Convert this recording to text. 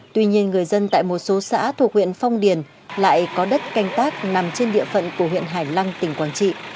tuy nhiên người dân tại một số xã thuộc huyện phong điền lại có đất canh tác nằm trên địa phận của huyện hải lăng tỉnh quảng trị